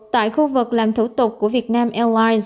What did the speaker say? tại khu vực làm thủ tục của việt nam airlines